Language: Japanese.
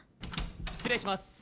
失礼します。